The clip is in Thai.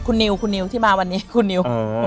คุณนิวคุณนิวที่มาวันนี้คุณนิว